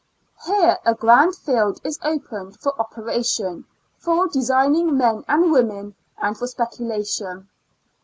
Here a grand field is opened for operation for desio'nino men and women and for Speculation.